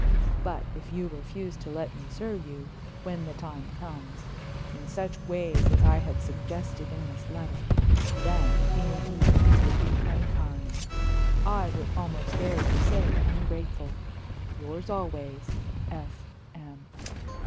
But if you refuse to let me serve you, when the time comes, in such ways as I have suggested in this letter, then, indeed, you would be unkind I would almost dare to say ungrateful! Yours always "F.M."